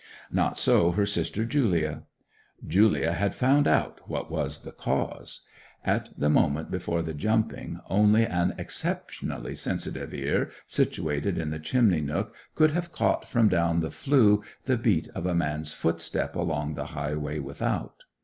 Not so her sister Julia. Julia had found out what was the cause. At the moment before the jumping, only an exceptionally sensitive ear situated in the chimney nook could have caught from down the flue the beat of a man's footstep along the highway without.